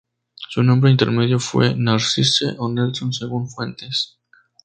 Su nombre intermedio fue "Narcisse" o "Nelson", según fuentes.